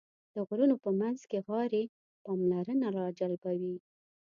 د غرونو په منځ کې غارې پاملرنه راجلبوي.